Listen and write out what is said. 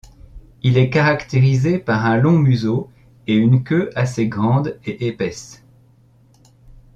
Il est caractérisé par un long museau et une queue assez grande et épaisse.